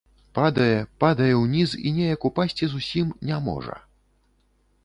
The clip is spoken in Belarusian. Падае, падае ўніз і неяк упасці зусім не можа.